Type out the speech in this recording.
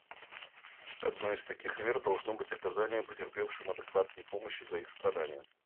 Одной из таких мер должно быть оказание потерпевшим адекватной помощи за их страдания.